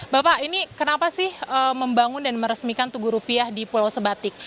bapak ini kenapa sih membangun dan meresmikan tugu rupiah di pulau sebatik